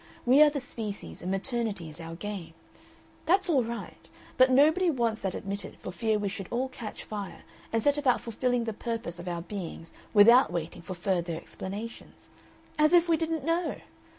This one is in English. We are the species, and maternity is our game; that's all right, but nobody wants that admitted for fear we should all catch fire, and set about fulfilling the purpose of our beings without waiting for further explanations. As if we didn't know!